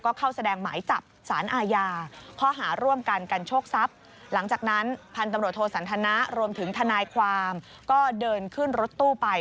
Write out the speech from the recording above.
ก็เข้าแสดงหมายจับสารอาญาเพราะหาร่วมกันกันโชคทรัพย์